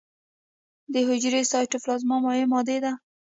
د حجرې سایتوپلازم مایع ماده ده